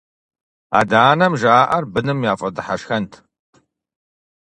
Адэ-анэм жаӀэр быным яфӀэдыхьэшхэнт.